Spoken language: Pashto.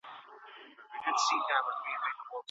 ولي محنتي ځوان د مخکښ سړي په پرتله ژر بریالی کېږي؟